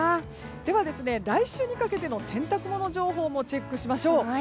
では来週にかけて洗濯物情報もチェックしましょう。